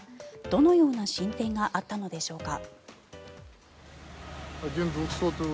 どのような進展があったのでしょうか。